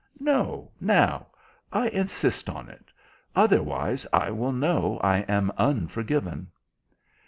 "No—now. I insist on it. Otherwise I will know I am unforgiven."